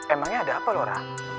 emangnya ada apa laura